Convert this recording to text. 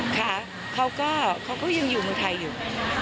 ค่ะเขาก็ยังอยู่เมืองไทยอยู่